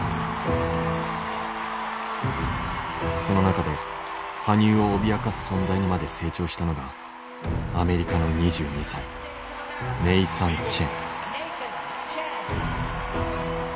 その中で羽生を脅かす存在にまで成長したのがアメリカの２２歳ネイサン・チェン。